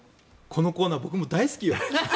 このコーナー僕も大好きよ。